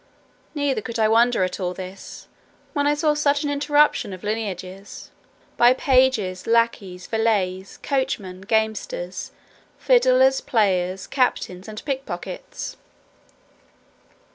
Neither could I wonder at all this, when I saw such an interruption of lineages, by pages, lackeys, valets, coachmen, gamesters, fiddlers, players, captains, and pickpockets.